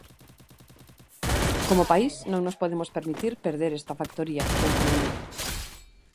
Como país non nos podemos permitir perder esta factoría, concluíu.